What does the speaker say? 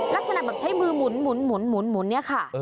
ลักษณะแบบใช้มือหมุนเนี่ยค่ะ